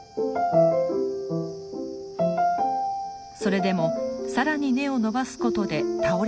それでも更に根を伸ばすことで倒れずに立っています。